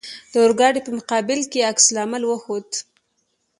د اورګاډي په مقابل کې عکس العمل وښود.